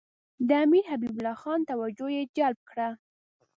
د امیر حبیب الله خان توجه یې جلب کړه.